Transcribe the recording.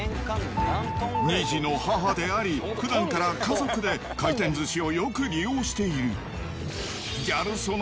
２児の母であり、ふだんから家族で回転寿司をよく利用している。